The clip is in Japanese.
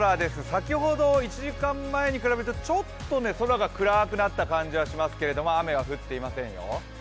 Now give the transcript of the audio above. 先ほど１時間前に比べてちょっと空が暗くなった感じはしますけれども雨は降っていませんよ。